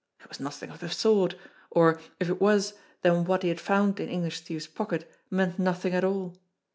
It was nothing of the sort; or, if it was, then what he had found in English Steve's pocket meant nothing at all.